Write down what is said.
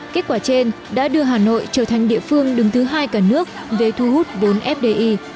kết quả trên đã đưa hà nội trở thành địa phương đứng thứ hai cả nước về thu hút vốn fdi